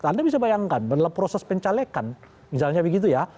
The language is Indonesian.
anda bisa bayangkan dalam proses pencalekan misalnya begitu ya